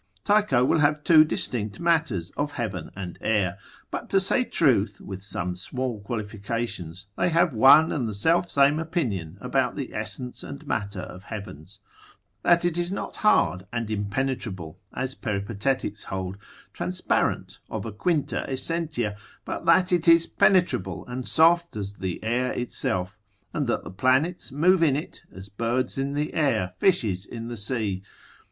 Tycho will have two distinct matters of heaven and air; but to say truth, with some small qualification, they have one and the self same opinion about the essence and matter of heavens; that it is not hard and impenetrable, as peripatetics hold, transparent, of a quinta essentia, but that it is penetrable and soft as the air itself is, and that the planets move in it, as birds in the air, fishes in the sea.